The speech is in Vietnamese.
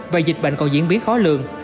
và dịch bệnh còn diễn biến khó lường